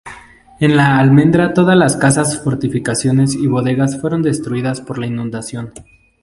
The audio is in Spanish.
En El Almendral todas las casas, fortificaciones y bodegas fueron destruidas por la inundación.